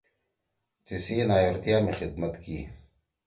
تیِسی نایورتیا می خدمت کی